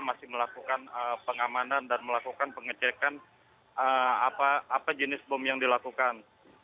masih melakukan pengamanan dan melakukan pengecekan apa jenis bom yang dilakukan